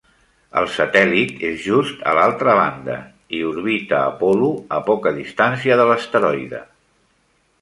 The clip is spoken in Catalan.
El satèl·lit és just a l'altra banda i orbita Apol·lo a poca distància de l'asteroide.